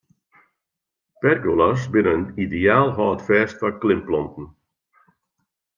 Pergola's binne in ideaal hâldfêst foar klimplanten.